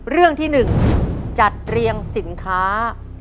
เรื่องที่๑จัดเรียงสินค้า